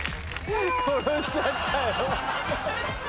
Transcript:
殺しちゃったよ。